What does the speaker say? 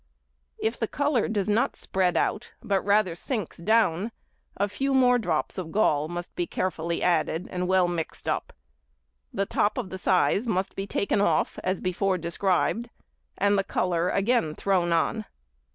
If the colour does not spread out, but rather sinks down, a few more drops of gall must be carefully added and well mixed up. The top of the size must be taken off as before described, and the colour again thrown on.